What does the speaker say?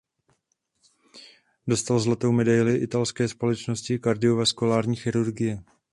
Dostal zlatou medaili Italské společnosti kardiovaskulární chirurgie.